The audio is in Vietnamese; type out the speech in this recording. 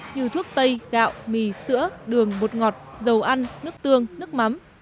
như thuốc tây gạo mì sữa đường bột ngọt dầu ăn nước tương nước mắm